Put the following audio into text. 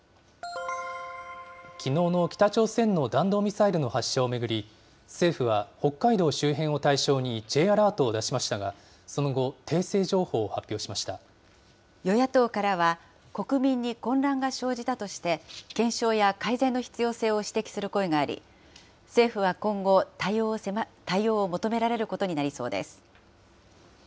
きのうの北朝鮮の弾道ミサイルの発射を巡り、政府は、北海道周辺を対象にＪアラートを出しましたが、その後、与野党からは、国民に混乱が生じたとして検証や改善の必要性を指摘する声があり、政府は今後、対応を求められることになりそうです。